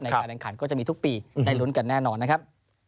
การแข่งขันก็จะมีทุกปีได้ลุ้นกันแน่นอนนะครับ